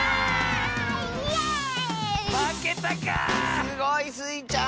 すごいスイちゃん！